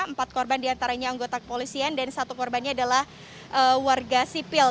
empat korban diantaranya anggota kepolisian dan satu korbannya adalah warga sipil